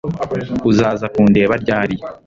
Uzaza kundeba ryari